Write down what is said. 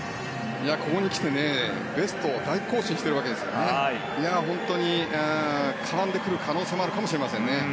ここにきてベストを大更新してきているので本当に絡んでくる可能性もあるかもしれませんね。